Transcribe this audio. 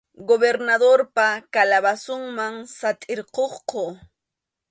Gobernadorpa calabozonman satʼirquqku.